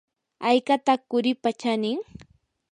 ¿haykataq quripa chanin?